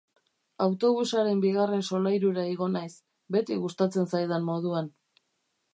Autobusaren bigarren solairura igo naiz, beti gustatzen zaidan moduan.